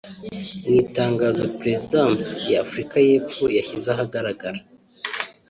Mu itangazo Perezidansi ya Afurika y’Epfo yashyize ahagaragara